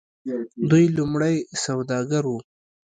دوی لومړی سوداګر وو.